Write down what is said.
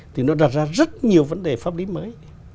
thì nó đặt ra rất nhiều vấn đề pháp lý mới